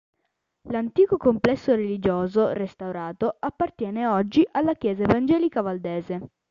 L'antico complesso religioso, restaurato, appartiene oggi alla Chiesa Evangelica Valdese.